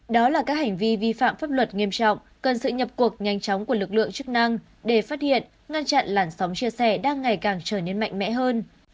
đó là các hành vi vi phạm pháp luật nghiêm trọng cần sự nhập cuộc nhanh chóng của lực lượng chức năng để phát hiện ngăn chặn làn sóng chia sẻ đang ngày càng trở nên mạnh mẽ hơn